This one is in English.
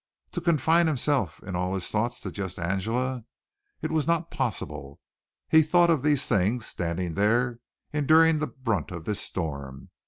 To confine himself in all his thoughts to just Angela! It was not possible. He thought of these things, standing there enduring the brunt of this storm.